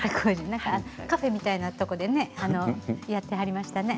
カフェみたいなところでやってはりましたね。